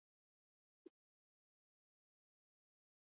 Ring baten barnean bi taldetan banatuta aritu ziren bertsolariak.